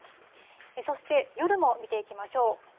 そして、夜も見ていきましょう。